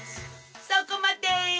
そこまで！